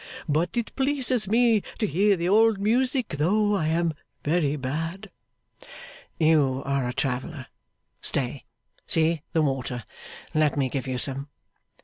But it pleases me to hear the old music, though I am very bad.' 'You are a traveller! Stay! See, the water! Let me give you some.